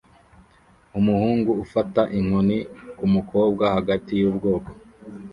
Umuhungu ufata inkoni kumukobwa hagati yubwoko